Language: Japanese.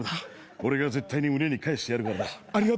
俺が絶対に群れに帰してやるからな。